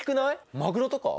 マグロとか？